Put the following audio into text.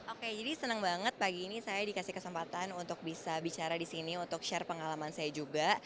oke jadi senang banget pagi ini saya dikasih kesempatan untuk bisa bicara di sini untuk share pengalaman saya juga